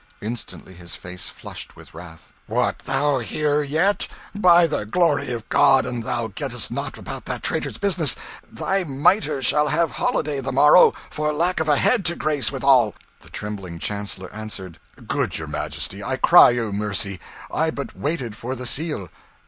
Instantly his face flushed with wrath "What, thou here yet! By the glory of God, an' thou gettest not about that traitor's business, thy mitre shall have holiday the morrow for lack of a head to grace withal!" The trembling Chancellor answered "Good your Majesty, I cry you mercy! I but waited for the Seal."